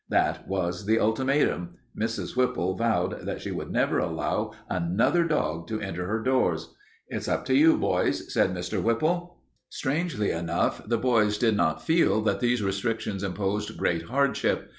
That was the ultimatum; Mrs. Whipple vowed that she would never allow another dog to enter her doors. "It's up to you, boys," said Mr. Whipple. Strangely enough, the boys did not feel that these restrictions imposed great hardship.